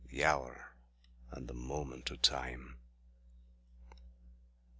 The hour and the moment o' time!